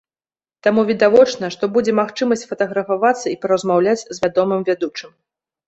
Таму відавочна, што будзе магчымасць сфатаграфавацца і паразмаўляць з вядомым вядучым.